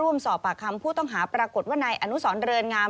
ร่วมสอบปากคำผู้ต้องหาปรากฏว่านายอนุสรเรือนงาม